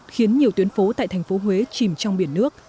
khiến nhiều tuyến phố tại thành phố huế chìm trong biển nước